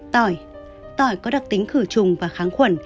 mật ong có đặc tính khử trùng và kháng khuẩn